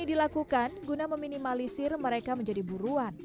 kami menggunakan penyusuk penyu untuk meminimalisir mereka menjadi buruan